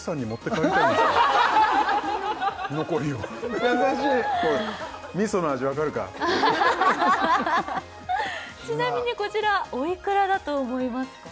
みたいなちなみにこちらおいくらだと思いますか？